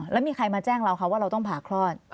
แล้วมีใครมาแจ้งเราคะว่าเราต้องผ่าคลอด